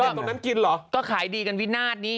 เปลี่ยนตรงนั้นกินเหรอก็ขายดีกันวินาทนี้